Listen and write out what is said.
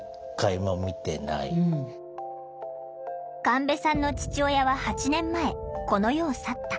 神戸さんの父親は８年前この世を去った。